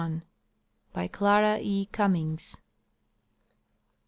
BY CLARA E. CUMBIINGS.